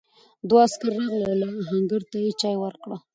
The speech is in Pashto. دوه عسکر راغلل او آهنګر ته یې چای ورکړ.